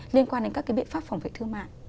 liên quan đến các cái biện pháp phòng vệ thương mại